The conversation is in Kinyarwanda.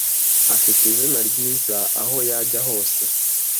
Afite izina ryiza aho yajya hose.